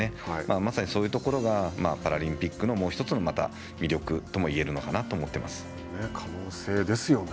まさにそういうところがパラリンピックのもうひとつの魅力とも言えるのかなと思っています。